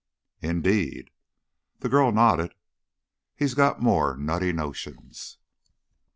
"Indeed?" The girl nodded. "He's got more nutty notions."